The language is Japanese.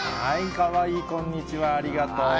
かわいいこんにちは、ありがとう。